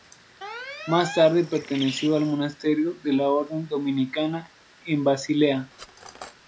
Más tarde perteneció al monasterio de la Orden Dominicana en Basilea.